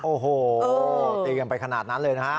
โอ้โหตีกันไปขนาดนั้นเลยนะฮะ